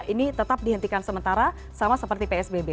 ini tetap dihentikan sementara sama seperti psbb